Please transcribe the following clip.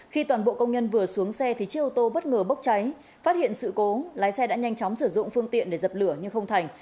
khi toàn bộ công nhân vừa xuống xe thì chiếc ô tô bất ngờ bốc cháy phát hiện sự cố lái xe đã nhanh chóng sử dụng phương tiện để dập lửa nhưng không thành